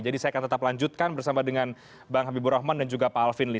jadi saya akan tetap lanjutkan bersama dengan bang habibur rahman dan juga pak alvin lee